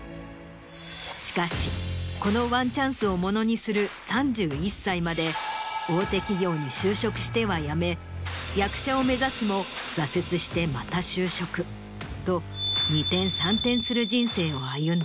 しかしこのワンチャンスを物にする３１歳まで大手企業に就職しては辞め役者を目指すも挫折してまた就職と。